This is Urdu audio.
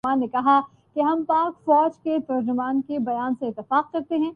جنوبی کوریا میں چھٹے ورلڈ ملٹری گیمز کا اغاز